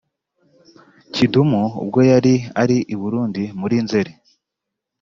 Kidumu ubwo yari ari i Burundi muri Nzeli